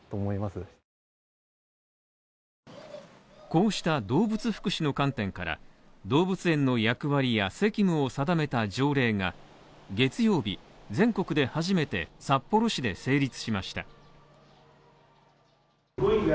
こうした動物福祉の観点から、動物園の役割や責務を定めた条例が月曜日、全国で初めて札幌市で成立しました。